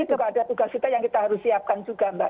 tapi juga ada tugas kita yang kita harus siapkan juga mbak